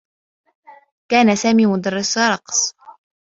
كان سامي مدرّس رقص.